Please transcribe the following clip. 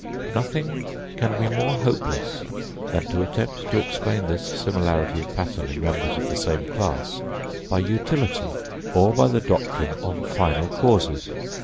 Nothing can be more hopeless than to attempt to explain this similarity of pattern in members of the same class, by utility or by the doctrine of final causes.